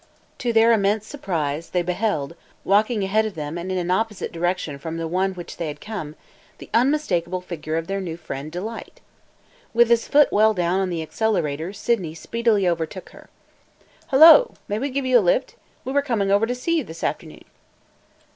To their immense surprise, they beheld, walking ahead of them and in an opposite direction from the one from which they had come, the unmistakable figure of their new friend, Delight. With his foot well down on the accelerator, Sydney speedily overtook her. "Hello! May we give you a lift? We were coming over to see you this afternoon."